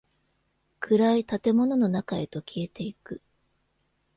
暗い建物の中へと消えていく。